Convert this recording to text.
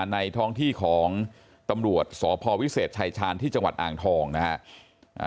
ในท้องที่ของตำรวจสพวิเศษชายชาญที่จังหวัดอ่างทองนะฮะ